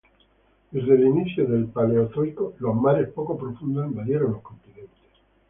Desde el inicio del Paleozoico, los mares poco profundos invadieron los continentes.